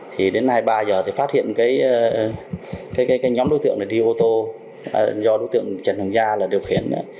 thì đến hai mươi ba h thì phát hiện cái nhóm đối tượng đi ô tô do đối tượng trần thường gia điều khiển